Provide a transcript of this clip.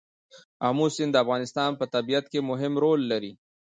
آمو سیند د افغانستان په طبیعت کې مهم رول لري.